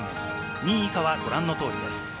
２位以下はご覧の通りです。